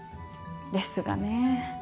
ですがねぇ。